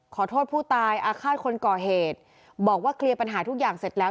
ขอโทษผู้ตายอาฆาตคนก่อเหตุบอกว่าเคลียร์ปัญหาทุกอย่างเสร็จแล้ว